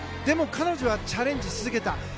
でも、彼女はチャレンジし続けた。